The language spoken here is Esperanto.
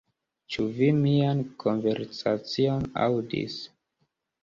Ĉu vi mian konversacion aŭdis?